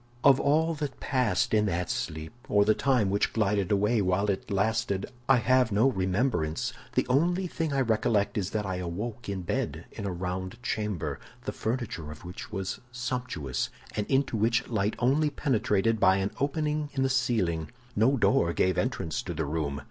"Of all that passed in that sleep, or the time which glided away while it lasted, I have no remembrance. The only thing I recollect is that I awoke in bed in a round chamber, the furniture of which was sumptuous, and into which light only penetrated by an opening in the ceiling. No door gave entrance to the room.